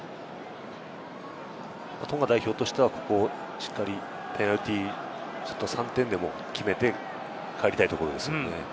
トンガ代表としては、ここしっかり、ペナルティー、３点でもしっかり決めて入りたいところですね。